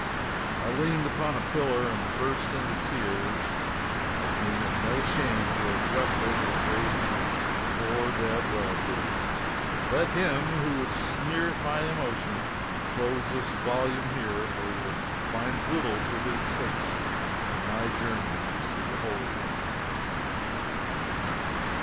I leaned upon a pillar and burst into tears. I deem it no shame to have wept over the grave of my poor dead relative. Let him who would sneer at my emotion close this volume here, for he will find little to his taste in my journeyings through Holy Land.